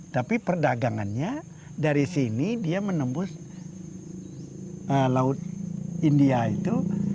tapi perdagangannya dari sini dia menembus laut india itu